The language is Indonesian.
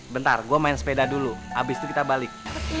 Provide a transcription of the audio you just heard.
bentar gue main sepeda dulu abis itu kita balik